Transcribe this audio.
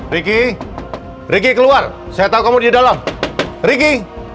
ricky ricky keluar saya tahu kamu di dalam ricky